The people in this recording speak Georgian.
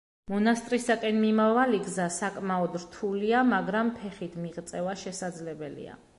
მონასტრისაკენ მიმავალი გზა საკმაოდ რთულია, მაგრამ ფეხით მიღწევა შესაძლებელია.